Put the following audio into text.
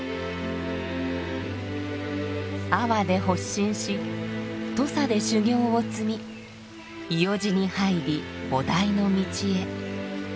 阿波で発心し土佐で修行を積み伊予路に入り菩提の道へ。